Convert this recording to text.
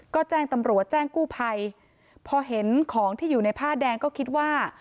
ก็แจ้งตำรวจแจ้งกู้ภัยพอเห็นของที่อยู่ในผ้าแดงก็คิดว่า